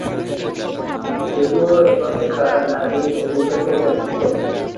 যদিও, এভাবে তারা নারীর অভিজ্ঞতা উপেক্ষা করে।